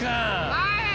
はい。